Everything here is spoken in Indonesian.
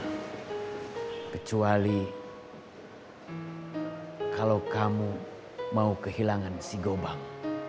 kecuali kalau kamu mau kehilangan si gobang